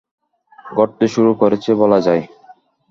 ঘটতে শুরু করেছে বলা যায়।